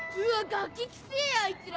ガキくせぇあいつら。